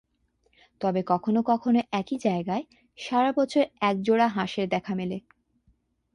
তবে কখনও কখনও একই জায়গায় সারা বছর এক জোড়া হাঁসের দেখা মেলে।